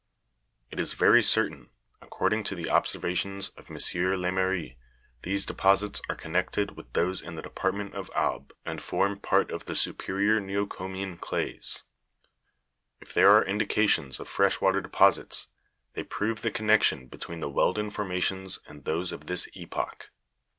It is very certain, according to the observations of M. Leymerie, these deposits are connected with those in the department of Aube, and form part of the superior neocomian clays : if there are indi cations of fresh water deposits, they prove the connection between the wealden formations and those of this epoch.